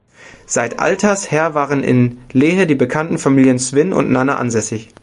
Seit alters her waren in Lehe die bekannten Familien Swyn und Nanne ansässig.